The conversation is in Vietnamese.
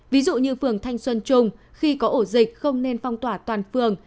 ví dụ như phường thanh xuân trung khi có ổ dịch không nên phong tỏa toàn phường